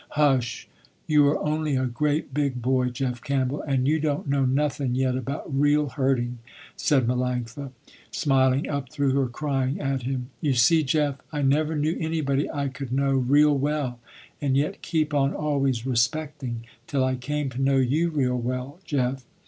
"Hush, you are only a great big boy, Jeff Campbell, and you don't know nothing yet about real hurting," said Melanctha, smiling up through her crying, at him. "You see, Jeff, I never knew anybody I could know real well and yet keep on always respecting, till I came to know you real well, Jeff."